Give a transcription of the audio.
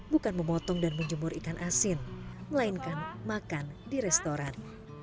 bukan memotong dan menjemur ikan asin melainkan makan di restoran